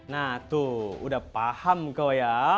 nah tuh udah paham kok ya